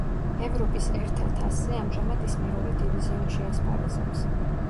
ევროპის ერთა თასზე ამჟამად ის მეორე დივიზიონში ასპარეზობს.